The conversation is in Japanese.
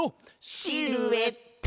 シルエット！